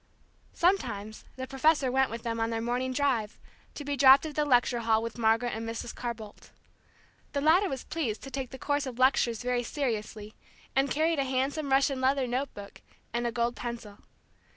Sometimes the professor went with them on their morning drive, to be dropped at the lecture hall with Margaret and Mrs. Carr Bolt. The latter was pleased to take the course of lectures very seriously, and carried a handsome Russian leather note book, and a gold pencil.